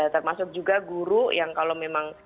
termasuk juga guru yang kalau memang